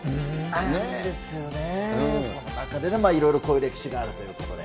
あるんですよね、その中でのいろいろこういう歴史があるということで。